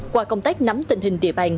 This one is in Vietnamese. qua công tác nắm tình hình địa bàn